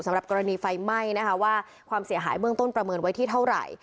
สำหรับกรณีไฟไหม้นะคะว่าความเสียหายเบื้องต้นประเมินไว้ที่เท่าไหร่